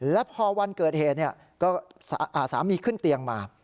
แล้วพอวันเกิดเหตุสามีขึ้นเตียงมา